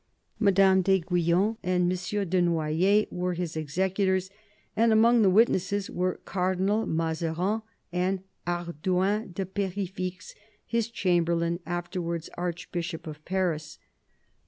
Madame d'Aiguillon and M. de Noyers were his executors, and among the witnesses were Cardinal Mazarin and Hardouin de Per6fixe, his chamberlain, afterwards Archbishop of Paris.